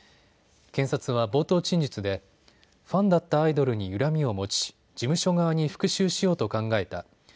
検察は冒頭陳述でファンだったアイドルに恨みを持ち事務所側に復しゅうしようと考えた。